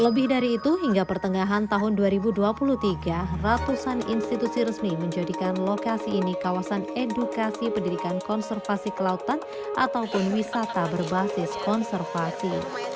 lebih dari itu hingga pertengahan tahun dua ribu dua puluh tiga ratusan institusi resmi menjadikan lokasi ini kawasan edukasi pendidikan konservasi kelautan ataupun wisata berbasis konservasi